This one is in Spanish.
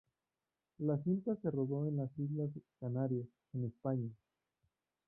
La cinta se rodó en las Islas Canarias en España.